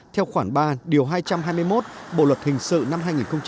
theo khoản ba điều hai trăm hai mươi một bộ luật hình sự năm hai nghìn một mươi năm